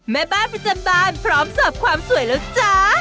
แม่บ้านประจำบานพร้อมเสิร์ฟความสวยแล้วจ้า